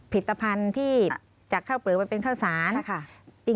ผิดเทรภัณฑ์ที่จากข้าวเปลือกไว้เป็นข้าวสาร